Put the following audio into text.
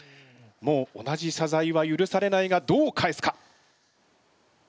もう同じしゃざいはゆるされないがどう返すか？